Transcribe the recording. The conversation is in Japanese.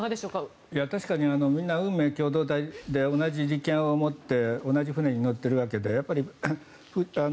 みんな運命共同体で同じ利権を持って同じ船に乗っているわけで。